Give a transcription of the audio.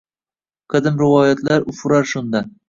Qadim rivoyatlar ufurar shunda